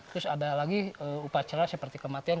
terus ada lagi upacara seperti kematian